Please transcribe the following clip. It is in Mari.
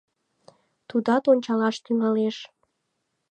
Тудат ончалаш тӱҥалеш.